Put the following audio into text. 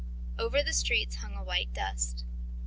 Over the streets hung a white dust.